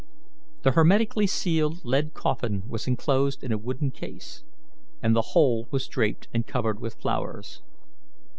The hermetically sealed lead coffin was inclosed in a wooden case, and the whole was draped and covered with flowers.